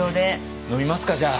飲みますかじゃあ。